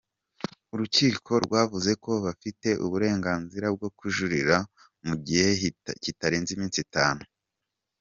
Urukiko rwavuze ko bafite uburenganzira bwo kujurira mu gihe kitarenze iminsi itanu.